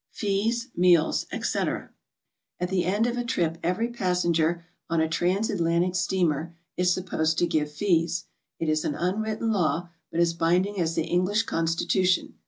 FEES, MEALS, BTC. At the end of a trip every passenger on a trans Atlantic steamer is supposed to give fees. It is an unwritten law, but as binding as the English constitution.